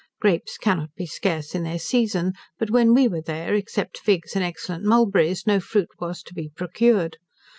Grapes cannot be scarce in their season; but when we were here, except figs and excellent mulberries, no fruit was to be procured.